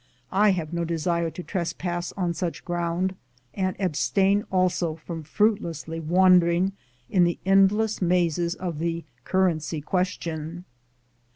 I have no desire to trespass on such ground, and abstain also from fruitlessly wandering in the endless mazes of the Currency question.